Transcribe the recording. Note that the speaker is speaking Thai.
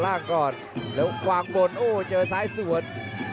ล่างก่อนแล้ววางบนโอ้เจอซ้ายสวน